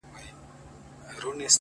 o زما زنده گي وخوړه زې وخوړم؛